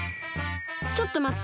ちょっとまって！